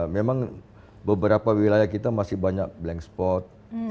memang beberapa wilayah kita masih banyak blank spot